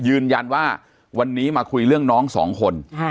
ยืนยันว่าวันนี้มาคุยเรื่องน้องสองคน